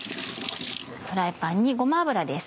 フライパンにごま油です。